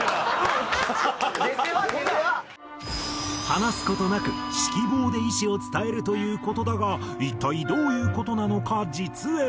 話す事なく指揮棒で意思を伝えるという事だが一体どういう事なのか実演。